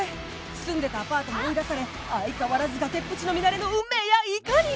住んでたアパートも追い出され相変わらず崖っぷちのミナレの運命やいかに！？